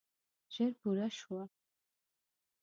ژر پوره شوه.